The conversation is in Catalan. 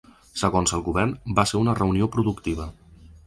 Segons el govern, va ser una reunió productiva.